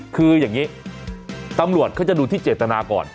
คืออย่างนี้ตำรวจเขาจะดูที่เจตนาก่อน